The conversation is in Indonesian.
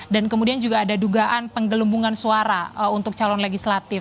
dan kemudian juga ada dugaan penggelumbungan suara untuk calon legislatif